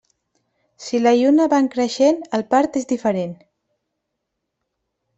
Si la lluna va en creixent, el part és diferent.